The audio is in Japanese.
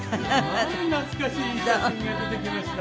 まあ懐かしい写真が出てきました。